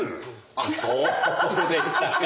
あっそうでしたか。